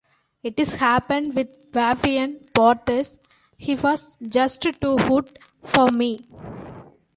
It happened with Fabien Barthez, he was just too good for me.